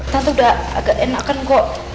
tante udah agak enak kan kok